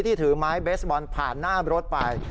ถือไม้เบสบอลผ่านหน้ารถไป